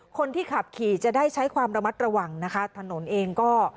คนที่ขับขี่จะได้ใช้ความระมัดระวังนะคะถนนเองก็